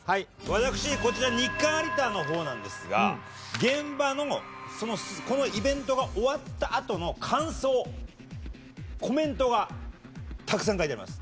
私こちら「日刊有田」の方なんですが現場のこのイベントが終わったあとの感想コメントがたくさん書いてあります。